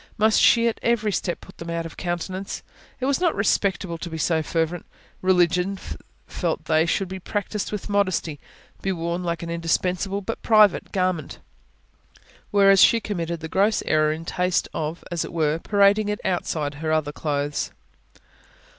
Must she at every step put them out of countenance? It was not respectable to be so fervent. Religion, felt they, should be practised with modesty; be worn like an indispensable but private garment. Whereas she committed the gross error in taste of, as it were, parading it outside her other clothes.